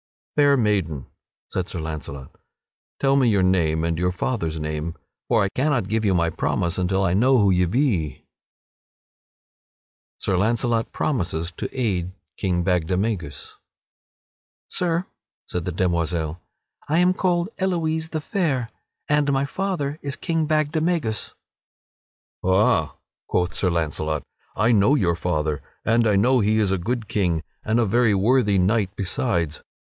"Fair maiden," said Sir Launcelot, "tell me your name and your father's name, for I cannot give you my promise until I know who ye be." [Sidenote: Sir Launcelot promises to aid King Bagdemagus] "Sir," said the demoiselle, "I am called Elouise the Fair, and my father is King Bagdemagus." "Ha!" quoth Sir Launcelot, "I know your father, and I know that he is a good king and a very worthy knight besides.